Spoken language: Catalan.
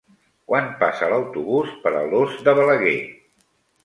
Quan passa l'autobús per Alòs de Balaguer?